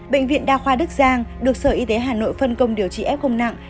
bệnh viện đa khoa đức giang được sở y tế hà nội phân công điều trị f nặng